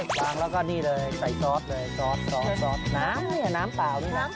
คล้ำแล้วก็ใช้ซอสเลยซอสน้ำเผา